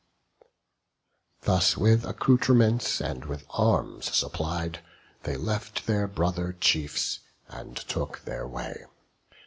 Thus with accoutrements and arms supplied, They left their brother chiefs, and took their way.